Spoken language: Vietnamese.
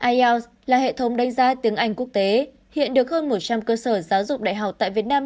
ielts là hệ thống đánh giá tiếng anh quốc tế hiện được hơn một trăm linh cơ sở giáo dục đại học tại việt nam